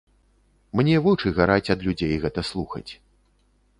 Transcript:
Мне вочы гараць ад людзей гэта слухаць.